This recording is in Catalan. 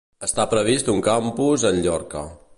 Està previst un campus en Llorca.